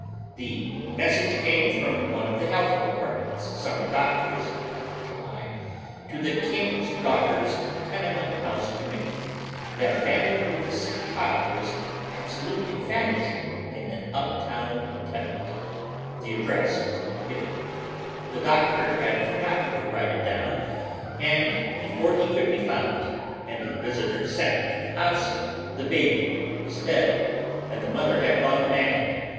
Tlie message came from one of the Health Depart oy Google PAUPERISM IN THE TENEMENTS. 353 meat's summer doctors, last July, to The Kiiig'a Daugh ters' Tenement house Committee, that a family with a sick child was absolutely famishing in an uptown tene ment. The address was not given, Tlie doctor had forgotten to write it down, and before he could be found and a visitor sent to the house the baby was dead, and tiie mother had gone mad.